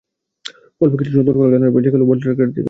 গল্পে কিছু সত্য ঘটনা জানা যাবে, যেগুলো বর্ডার গার্ডদের কাছে শুনেছি।